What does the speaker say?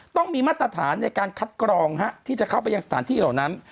ต้องมีมาตรฐานในการคัดกรองที่จะเข้าไปยังสถานที่เหล่านั้น